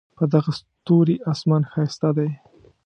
په دغه ستوري آسمان ښایسته دی